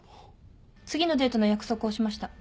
次のデートの約束をしました。